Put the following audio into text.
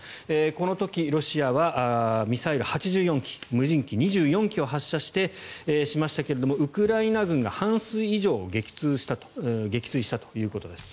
この時、ロシアはミサイル８４基無人機２４機を発射しましたがウクライナ軍が半数以上を撃墜したということです。